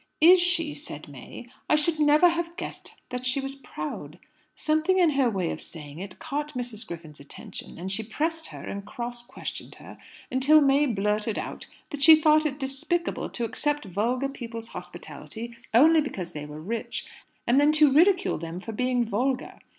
'Is she?' said May. 'I should never have guessed that she was proud.' Something in her way of saying it caught Mrs. Griffin's attention; and she pressed her and cross questioned her, until May blurted out that she thought it despicable to accept vulgar people's hospitality only because they were rich, and then to ridicule them for being vulgar.